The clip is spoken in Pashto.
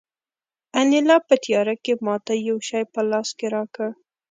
انیلا په تیاره کې ماته یو شی په لاس کې راکړ